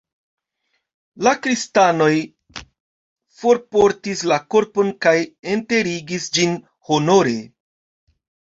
La kristanoj forportis la korpon kaj enterigis ĝin honore.